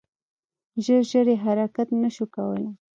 ژر ژر یې حرکت نه شو کولای .